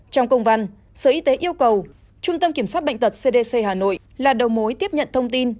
trong công văn sở y tế yêu cầu trung tâm kiểm soát bệnh tật cdc hà nội là đầu mối tiếp nhận thông tin